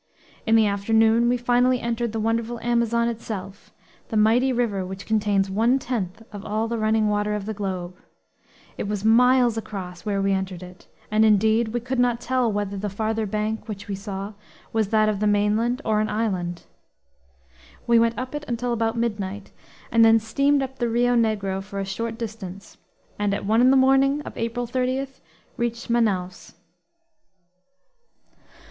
In the afternoon we finally entered the wonderful Amazon itself, the mighty river which contains one tenth of all the running water of the globe. It was miles across, where we entered it; and indeed we could not tell whether the farther bank, which we saw, was that of the mainland or an island. We went up it until about midnight, then steamed up the Rio Negro for a short distance, and at one in the morning of April 30 reached Manaos.